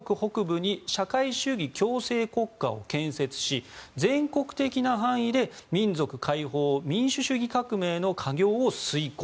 共和国北部に社会主義強盛国家を建設し全国的な範囲で民族解放民主主義革命の課業を遂行。